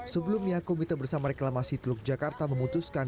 sebelumnya komite bersama reklamasi teluk jakarta memutuskan